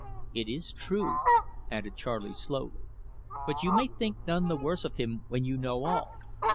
"It is true," added Charley slowly; "but you may think none the worse of him when you know all.